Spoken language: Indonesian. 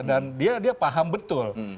dan dia paham betul